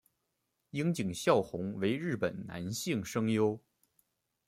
樱井孝宏为日本男性声优。